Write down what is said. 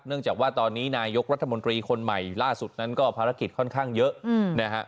จากว่าตอนนี้นายกรัฐมนตรีคนใหม่ล่าสุดนั้นก็ภารกิจค่อนข้างเยอะนะฮะ